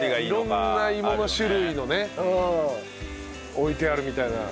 色んな芋の種類のね置いてあるみたいな。